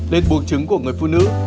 lên buộc chứng của người phụ nữ